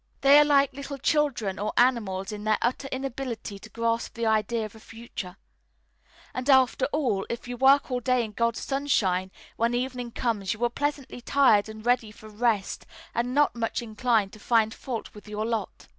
They are like little children or animals in their utter inability to grasp the idea of a future; and after all, if you work all day in God's sunshine, when evening comes you are pleasantly tired and ready for rest and not much inclined to find fault with your lot.